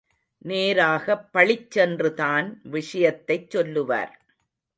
நேராகப் பளிச்சென்று தான் விஷயத்தைச் சொல்லுவார்.